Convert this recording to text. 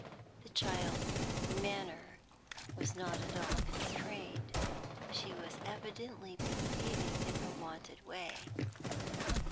The child's manner was not at all constrained; she was evidently behaving in her wonted way.